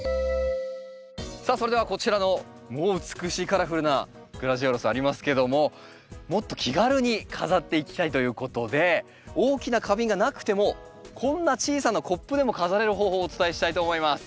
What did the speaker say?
さあそれではこちらのもう美しいカラフルなグラジオラスありますけどももっと気軽に飾っていきたいということで大きな花瓶がなくてもこんな小さなコップでも飾れる方法をお伝えしたいと思います。